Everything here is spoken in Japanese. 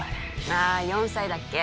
ああ４歳だっけ？